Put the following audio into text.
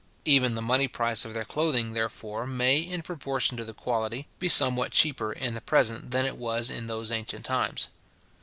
Even the money price of their clothing, therefore, may, in proportion to the quality, be somewhat cheaper in the present than it was in those ancient times.